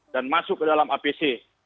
dan masuk ke dalam apc